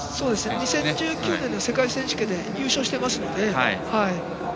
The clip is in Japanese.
２０１９年の世界選手権で優勝していますので。